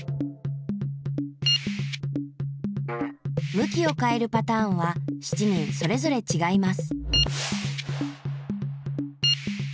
むきをかえるパターンは７人それぞれちがいます。